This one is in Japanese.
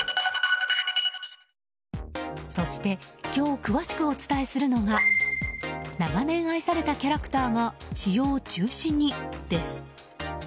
そして今日詳しくお伝えするのが長年愛されたキャラクターが使用中止にです。